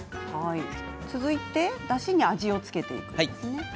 続いてだしに味を付けていくんですね。